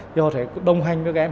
thì họ sẽ đồng hành với các em